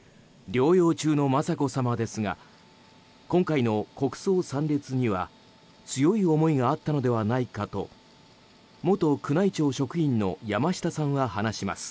療養中の雅子さまですが今回の国葬参列には強い思いがあったのではないかと元宮内庁職員の山下さんは話します。